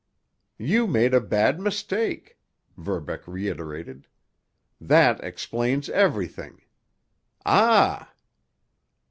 "You made a bad mistake," Verbeck reiterated. "That explains everything. Ah!"